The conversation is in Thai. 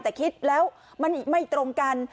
แต่คิดแล้วมันไม่ตรงกัน